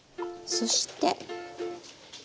そして。